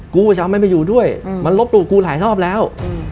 กูจะเอาไม่มาอยู่ด้วยมันลบหลู่กูหลายรอบแล้ว